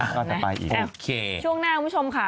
ช่วงหน้าคุณผู้ชมค่ะ